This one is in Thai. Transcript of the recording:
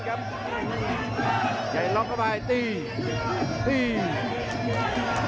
ขวางแขงขวาเจอเททิ้ง